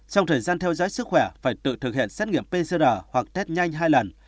sau thời gian theo dõi sức khỏe phải tự thực hiện xét nghiệm pcr hoặc test nhanh hai lần